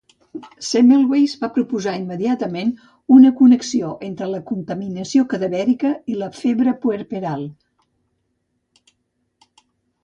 Semmelweis va proposar immediatament una connexió entre la contaminació cadavèrica i la febre puerperal.